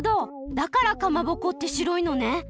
だからかまぼこって白いのね！